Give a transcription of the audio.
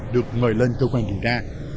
được mời lên cơ quan điều tra